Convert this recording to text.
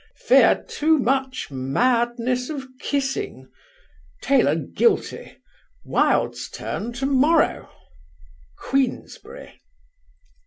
Fear too much madness of kissing. Taylor guilty. Wilde's turn to morrow. QUEENSBERRY.